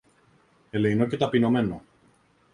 ελεεινό και ταπεινωμένο.